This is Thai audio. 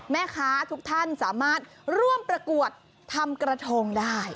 แม่ค้าทุกท่านสามารถร่วมประกวดทำกระทงได้